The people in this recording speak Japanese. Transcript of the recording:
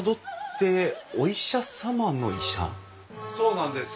そうなんです。